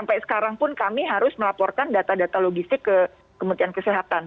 sampai sekarang pun kami harus melaporkan data data logistik ke kementerian kesehatan